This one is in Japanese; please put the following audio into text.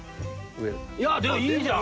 いやあでもいいじゃん！